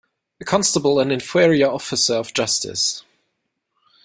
A constable an inferior officer of justice.